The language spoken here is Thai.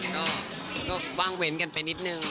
ก็ว่างเว้นกันไปนิดนึง